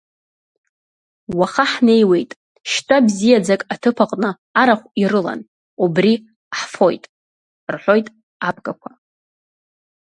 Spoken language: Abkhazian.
Уаха ҳнеиуеит, шьтәа бзиаӡак аҭыԥ аҟны арахә ирылан, убри ҳфоит, — рҳәоит абгақәа.